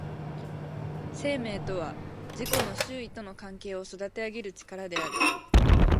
生命とは自己の周囲との関係を育てあげる力である。